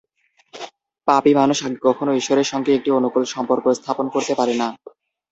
পাপী মানুষ আগে কখনও ঈশ্বরের সঙ্গে একটি অনুকূল সম্পর্ক স্থাপন করতে পারেনা।